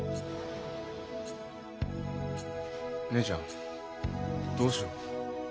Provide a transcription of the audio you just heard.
姉ちゃんどうしよう。